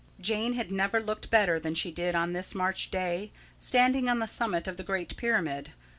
Jane had never looked better than she did on this March day, standing on the summit of the Great Pyramid.